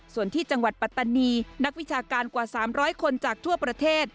ส่วนที่จังหวัดปัตตานีนักวิชาการกว่า๓๐๐คนจากทั่วประเทศ